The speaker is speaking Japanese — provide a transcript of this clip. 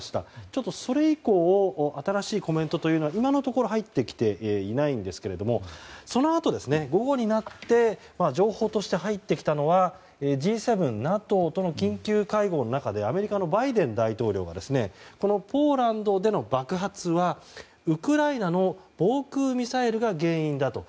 ちょっと、それ以降新しいコメントというのは今のところ入ってきていないんですけれどもそのあと午後になって情報として入ってきたのはＧ７、ＮＡＴＯとの緊急会合の中でアメリカのバイデン大統領がこのポーランドでの爆発はウクライナの防空ミサイルが原因だと。